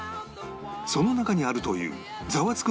その中にあるという『ザワつく！』